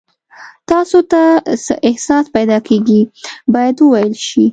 تاسو ته څه احساس پیدا کیږي باید وویل شي.